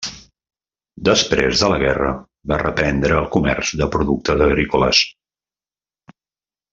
Després de la guerra va reprendre el comerç de productes agrícoles.